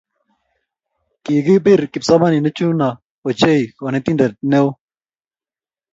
Kikibir kipsomaninik chuno ochei konetinte ne oo.